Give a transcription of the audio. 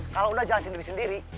kalau udah jalan sendiri sendiri